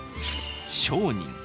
商人。